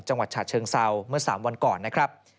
จังหวัดฉะเชิงเซาเมื่อ๓วันก่อนนะครับ